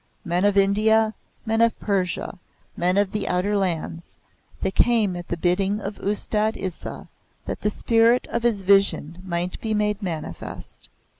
Men of India, men of Persia, men of the outer lands, they came at the bidding of Ustad Isa, that the spirit of his vision might be made manifest.